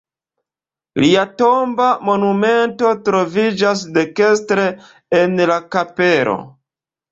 Lia tomba monumento troviĝas dekstre en la kapelo.